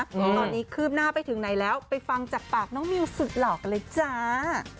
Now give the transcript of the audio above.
ตอนนี้คืบหน้าไปถึงไหนแล้วไปฟังจากปากน้องมิวสุดหล่อกันเลยจ้า